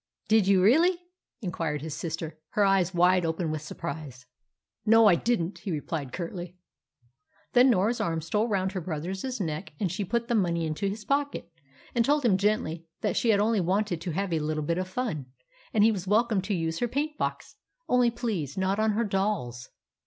"Did you really?" inquired his sister, her eyes wide open with surprise. "No, I didn't," he replied curtly. Then Norah's arm stole round her brother's neck, and she put the money into his pocket, and told him gently that she had only wanted to have a little bit of fun, and he was welcome to use her paint box only please not on her dolls.